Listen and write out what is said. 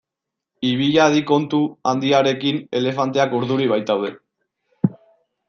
Ibil hadi kontu handiarekin elefanteak urduri baitaude.